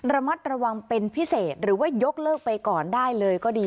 ระมัดระวังเป็นพิเศษหรือว่ายกเลิกไปก่อนได้เลยก็ดี